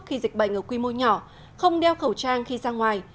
khi dịch bệnh ở quy mô nhỏ không đeo khẩu trang khi ra ngoài